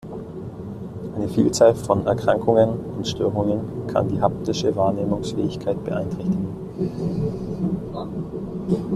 Eine Vielzahl von Erkrankungen und Störungen kann die haptische Wahrnehmungsfähigkeit beeinträchtigen.